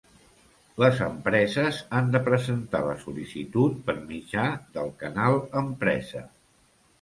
Les empreses han de presentar la sol·licitud per mitjà del Canal Empresa.